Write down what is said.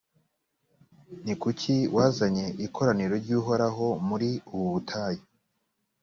ni kuki wazanye ikoraniro ry’uhoraho muri ubu butayu.